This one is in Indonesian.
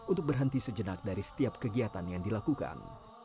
untuk berhenti sejenak dari setiap kegiatan yang dilakukan